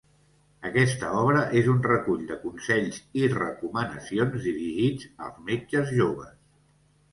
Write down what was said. Aquesta obra és un recull de consells i recomanacions dirigits als metges joves.